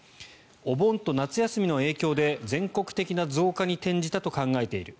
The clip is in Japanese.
お盆と夏休みの影響で全国的な増加に転じたと考えている。